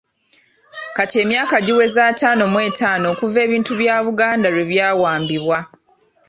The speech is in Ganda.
Kati emyaka giweze ataano mu etaano okuva ebintu bya Buganda lwe byawambibwa.